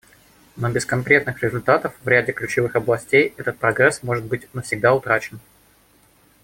Но без конкретных результатов в ряде ключевых областей этот прогресс может быть навсегда утрачен.